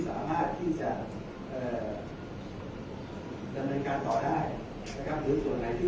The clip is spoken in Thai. แต่ว่าไม่มีปรากฏว่าถ้าเกิดคนให้ยาที่๓๑